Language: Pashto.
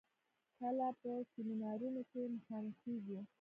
کله په سيمينارونو کې مخامخېږو.